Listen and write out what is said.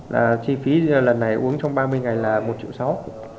là chi phí lần này uống trong ba mươi ngày là một triệu sáu